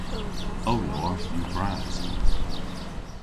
Ow lowarth yw bras.